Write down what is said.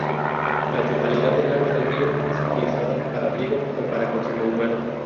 La totalidad del agua del río es utilizada para riego o para consumo humano.